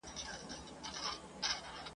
له یوه میدانه وزو بل میدان ته ور ګډیږو ..